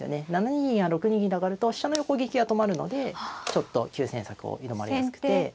７二銀や６二銀と上がると飛車の横利きが止まるのでちょっと急戦策を挑まれやすくて。